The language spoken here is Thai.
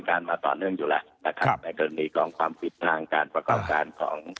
การมาต่อเนื่องอยู่แล้วนะครับในกรณีกองความผิดทางการประกอบการของ